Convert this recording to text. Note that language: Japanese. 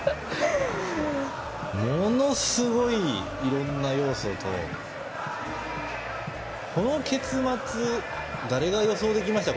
ものすごい、いろんな要素とこの結末誰が予想できましたか？